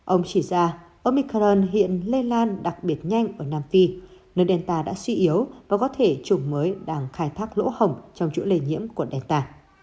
ông chỉ ra omicron hiện lây lan đặc biệt nhanh ở nam phi nơi delta đã suy yếu và có thể chủng mới đang khai thác lỗ hổng trong chủ lây nhiễm của delta